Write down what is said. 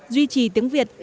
duy trì tiếng việt